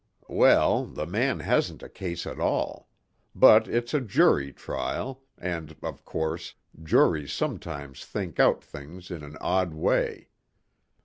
"Well, the man hasn't a case at all. But it's a jury trial and, of course, juries sometimes think out things in an odd way.